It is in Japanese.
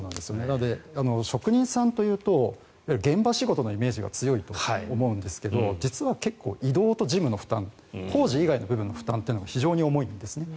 職人さんというといわゆる現場仕事のイメージが強いと思うんですが移動と事務の負担工事以外の部分の負担というのが非常に重いんです。